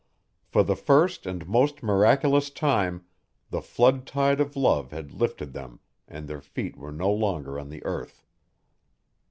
For the first and most miraculous time, the flood tide of love had lifted them and their feet were no longer on the earth.